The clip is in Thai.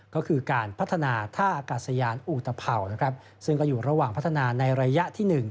ก็คือการพัฒนาท่าอากาศยานอุตภัวนะครับซึ่งก็อยู่ระหว่างพัฒนาในระยะที่๑